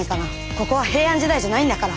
ここは平安時代じゃないんだから。